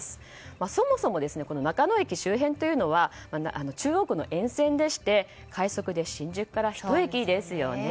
そもそも中野駅周辺というのは中央区の沿線でして快速で新宿から１駅ですよね。